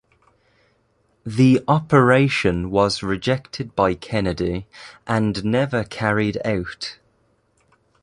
The operation was rejected by Kennedy and never carried out.